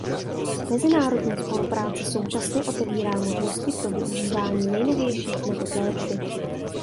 Mezinárodní spolupráce současně otevírá možnosti pro využívání nejnovějších metod léčby.